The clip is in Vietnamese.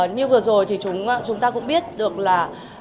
như vừa rồi thì chúng ta cũng biết được là